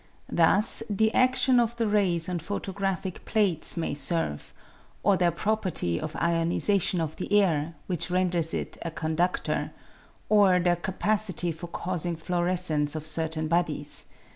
Thus the action of the rays on photo graphic plates may serve, or their property of ionisation of the air, which renders it a conductor, or their capacity for causing fluorescence of certain bodies.